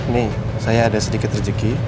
nih saya ada sedikit rezeki